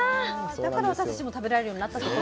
だから私たちも食べられるようになったという。